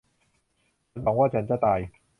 ฉันหวังว่าฉันจะตาย